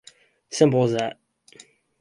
Simple as that.